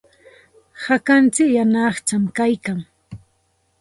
Hakantsik yana aqcham kaykan.